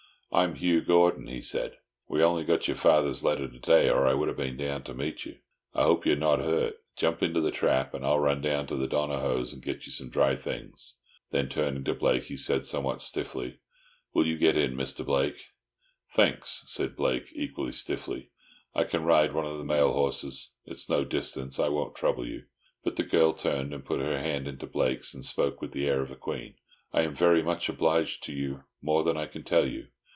"I'm Hugh Gordon," he said. "We only got your father's letter to day, or I would have been down to meet you. I hope you are not hurt. Jump into the trap, and I'll run down to the Donohoes', and get you some dry things." Then, turning to Blake, he said somewhat stiffly, "Will you get in, Mr. Blake?" "Thanks," said Blake, equally stiffly, "I can ride one of the mail horses. It's no distance. I wont trouble you." But the girl turned and put her hand into Blake's, and spoke with the air of a queen. "I am very much obliged to you—more than I can tell you.